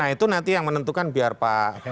nah itu nanti yang menentukan biar pak